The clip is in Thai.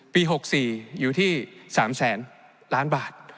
ปี๖๔อยู่ที่๓แสนล้านบาท